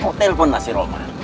kok lo telpon lah si romar